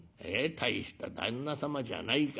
大した旦那様じゃないか。